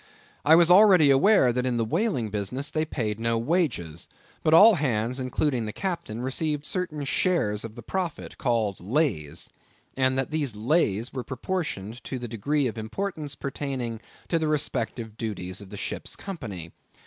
I was already aware that in the whaling business they paid no wages; but all hands, including the captain, received certain shares of the profits called lays, and that these lays were proportioned to the degree of importance pertaining to the respective duties of the ship's company.